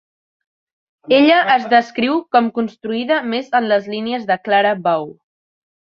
Ella es descriu com construïda més en les línies de Clara Bow.